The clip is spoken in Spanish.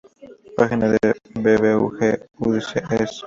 Página de la bvg.udc.es.